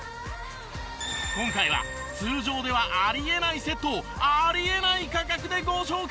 今回は通常ではあり得ないセットをあり得ない価格でご紹介！